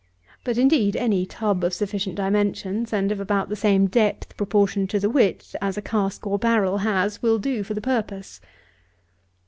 But, indeed, any tub of sufficient dimensions, and of about the same depth proportioned to the width as a cask or barrel has, will do for the purpose.